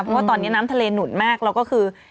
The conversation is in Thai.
เพราะว่าตอนนี้น้ำทะเลหนุนมากแล้วก็คือ